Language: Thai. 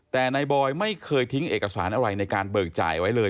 แต่นายบอยไม่เคยทิ้งเอกสารอะไรในการเบิกจ่ายไว้เลย